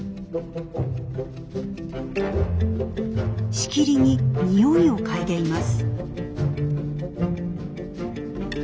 しきりに匂いを嗅いでいます。